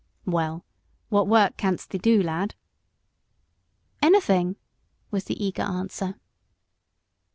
"Well, what work canst thee do, lad?" "Anything," was the eager answer.